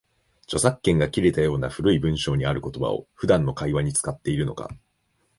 著作権が切れたような古い文章にある言葉を、普段の会話に使っているのか